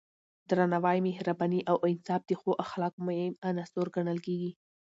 درناوی، مهرباني او انصاف د ښو اخلاقو مهم عناصر ګڼل کېږي.